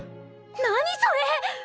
何それ！